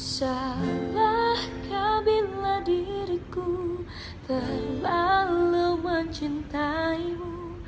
salahkah bila diriku terlalu mencintaimu